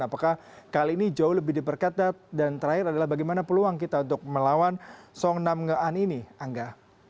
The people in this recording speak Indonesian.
apakah kali ini jauh lebih diperketat dan terakhir adalah bagaimana peluang kita untuk melawan song nam nge an ini angga